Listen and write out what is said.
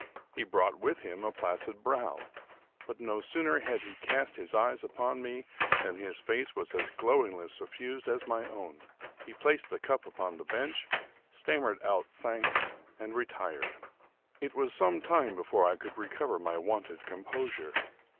He brought with him a placid brow; but no sooner had he cast his eyes upon me than his face was as glowingly suffused as my own. He placed the cup upon the bench, stammered out thanks, and retired. It was some time before I could recover my wonted composure.